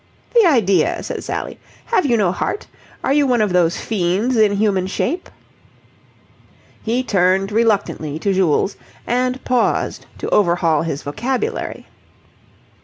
"The idea!" said Sally. "Have you no heart? Are you one of those fiends in human shape?" He turned reluctantly to Jules, and paused to overhaul his vocabulary.